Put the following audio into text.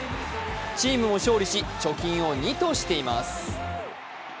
チームも勝利し、貯金を２としています。